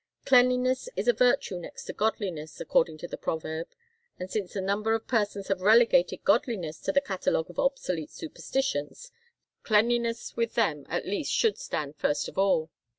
Cleanliness is a virtue next to godliness, according to the proverb and since a number of persons have relegated godliness to the catalogue of obsolete superstitions, cleanliness with them, at least, should stand first of all.